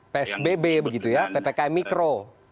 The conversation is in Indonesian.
psbb begitu ya ppkm mikro